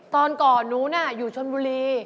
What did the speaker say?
ตอนก่อนนู้นน่ะอยู่ชนบุรี